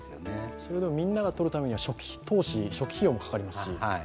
それをみんながとるためには初期投資、初期費用もかかりますし。